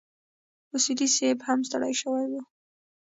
اصولي صیب هم ستړی شوی و.